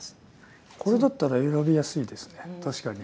これだったら選びやすいですね